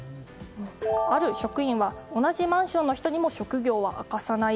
ある職員は同じマンションの人にも職業を明かさない。